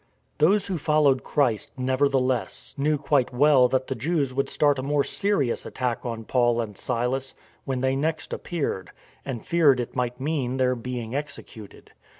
Those who followed Christ, nevertheless, knew quite well that the Jews would start a more serious attack on Paul and Silas when they next appeared, and feared it might mean their being executed.